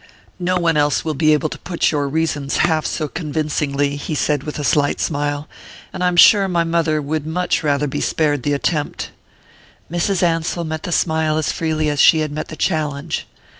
"No one else will be able to put your reasons half so convincingly," he said with a slight smile, "and I am sure my mother would much rather be spared the attempt." Mrs. Ansell met the smile as freely as she had met the challenge.